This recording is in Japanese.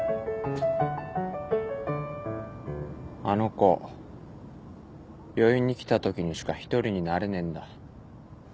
あの子病院に来たときにしか一人になれねえんだ。